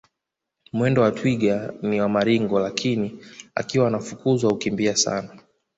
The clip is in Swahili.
Mwendo wa twiga ni wa maringo lakini akiwa anafukuzwa hukimbia sana